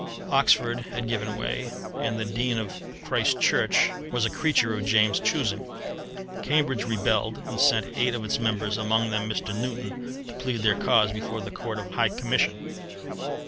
Oxford had given way, and the Dean of Christ Church was a creature of James's choosing. Cambridge rebelled, and sent eight of its members, among them Mr. Newton, to plead their cause before the Court of High Commission.